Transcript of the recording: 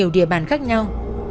và rất nhiều địa bàn khác nhau